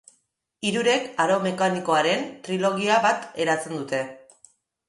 Hirurek aro mekanikoaren trilogia bat eratzen dute.